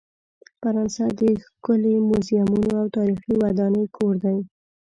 فرانسه د ښکلې میوزیمونو او تاریخي ودانۍ کور دی.